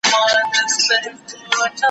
زه به اوږده موده د ژبي تمرين کړی وم!؟